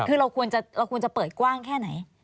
คือเราควรจะเปิดกว้างแค่ไหน